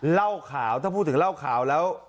เล่าข่าวถ้าพูดถึงเล่าข่าวแล้ว